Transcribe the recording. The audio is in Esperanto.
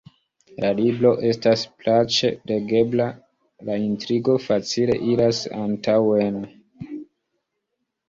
La libro estas plaĉe legebla, la intrigo facile iras antaŭen...